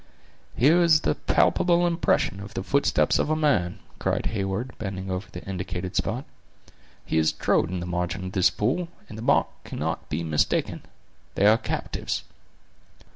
"Here is the palpable impression of the footstep of a man," cried Heyward, bending over the indicated spot; "he has trod in the margin of this pool, and the mark cannot be mistaken. They are captives."